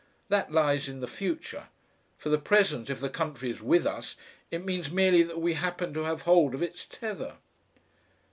That lies in the future. For the present if the country is with us, it means merely that we happen to have hold of its tether."